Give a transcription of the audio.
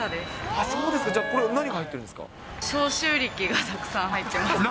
あ、そうですか、じゃあ、消臭力がたくさん入ってます。